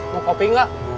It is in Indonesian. mau kopi gak